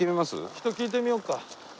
人聞いてみようか。